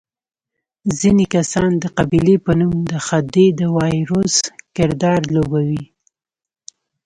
ځینې کسان د قبیلې په نوم د خدۍ د وایروس کردار لوبوي.